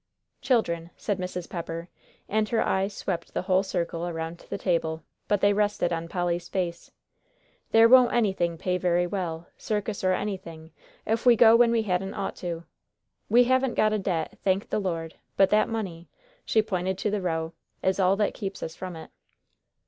"Children," said Mrs. Pepper, and her eyes swept the whole circle around the table, but they rested on Polly's face, "there won't anything pay very well, circus or anything else, if we go when we hadn't ought to. We haven't got a debt, thank the Lord, but that money " she pointed to the row "is all that keeps us from it."